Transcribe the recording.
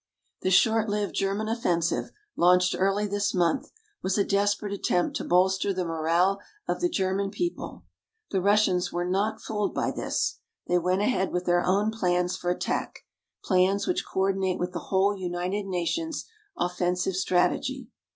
The short lived German offensive, launched early this month, was a desperate attempt to bolster the morale of the German people. The Russians were not fooled by this. They went ahead with their own plans for attack plans which coordinate with the whole United Nations' offensive strategy.